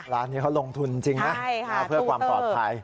ร้านนี้เขาลงทุนจริงนะเพื่อความปลอดภัย